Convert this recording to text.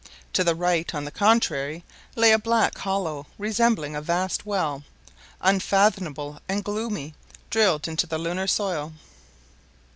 To the right, on the contrary, lay a black hollow resembling a vast well, unfathomable and gloomy, drilled into the lunar soil.